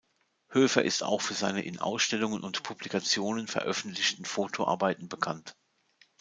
Höfer ist auch für seine in Ausstellungen und Publikationen veröffentlichten Fotoarbeiten bekannt.